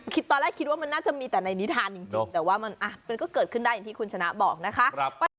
ตอนแรกคิดว่ามันน่าจะมีแต่ในนิทานจริงแต่ว่ามันก็เกิดขึ้นได้อย่างที่คุณชนะบอกนะคะ